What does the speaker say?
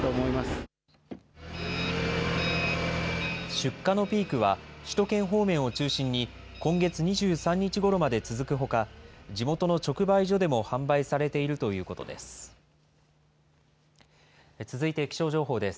出荷のピークは、首都圏方面を中心に、今月２３日ごろまで続くほか、地元の直売所でも販売されているということです。